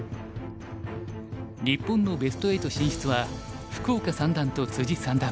日本のベスト８進出は福岡三段と三段。